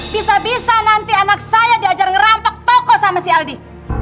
bisa bisa nanti anak saya diajar ngerampak toko sama si aldi